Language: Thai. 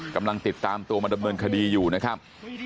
กำลังติดตามตัวมาดำเนินคดีอยู่นะครับ